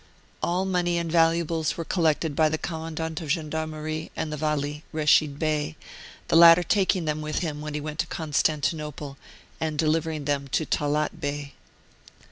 All money and valuables were col lected by the Commandant of Gendarmerie and the Vali, Reshid Bey, the latter taking them with him when he went to Constantinople, and delivering them to Talaat Bey.